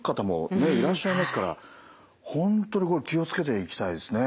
いらっしゃいますから本当にこれ気を付けていきたいですね。